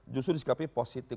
justru disikapinya positif